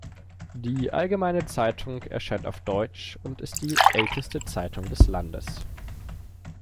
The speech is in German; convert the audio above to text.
Die Allgemeine Zeitung erscheint auf Deutsch und ist die älteste Zeitung des Landes.